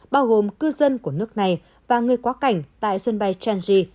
bao gồm cư dân của nước này và người quá cảnh tại sân bay changi